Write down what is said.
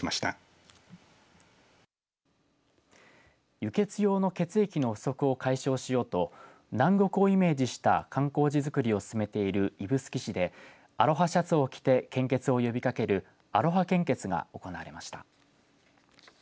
輸血用の血液の不足を解消しようと南国をイメージした観光地作りを進めている指宿市でアロハシャツを着て献血を呼びかけるアロハ献血が行われました。